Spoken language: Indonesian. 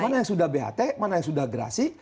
mana yang sudah bht mana yang sudah gerasi